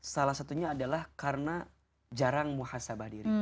salah satunya adalah karena jarang muhasabah diri